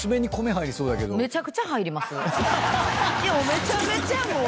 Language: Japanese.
めちゃめちゃもう。